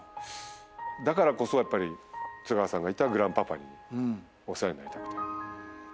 だからこそやっぱり津川さんがいたグランパパにお世話になりたくて。